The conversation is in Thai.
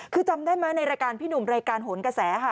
คือจำได้ไหมในรายการพี่หนุ่มรายการโหนกระแสค่ะ